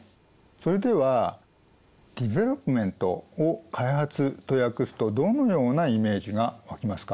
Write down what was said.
それではＤｅｖｅｌｏｐｍｅｎｔを開発と訳すとどのようなイメージが湧きますか？